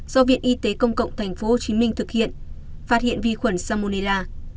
do viện y tế công cộng tp hcm thực hiện phát hiện vi khuẩn salmonella